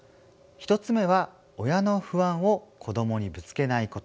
１つ目は親の不安を子どもにぶつけないこと。